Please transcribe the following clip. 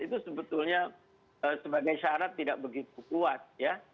itu sebetulnya sebagai syarat tidak begitu kuat ya